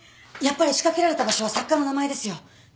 やっぱり仕掛けられた場所は作家の名前ですよ。